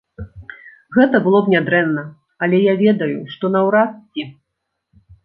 Гэта было б нядрэнна, але я ведаю, што наўрад ці!